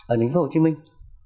ở lĩnh vực hồ chí minh